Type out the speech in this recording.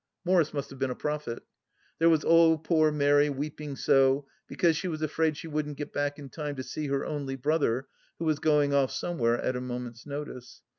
Morris must have been a prophet. There was " O poor Mary, weeping so," because she was afraid she wouldn't get back in time to see her only brother who was going off somewhere at a moment's notice.